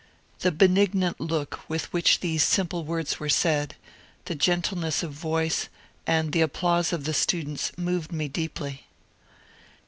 '^ The benignant look with which these simple words were said, the gentleness of voice, and the applause of the students moved me deeply.